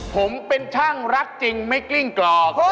ผมเป็นช่างรักจริงไม่กลิ้งกรอก